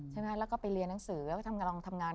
ใช่ไหมแล้วก็ไปเรียนหนังสือแล้วก็ทำงาน